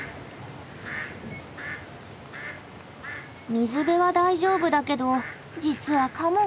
水辺は大丈夫だけど実はカモが苦手。